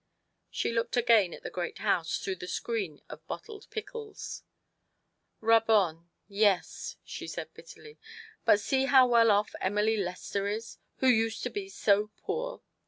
She looked again at the great house through the screen of bottled pickles. " Rub on yes," she said bitterly. " But see how well off Emmy Lester is, who used to be so poor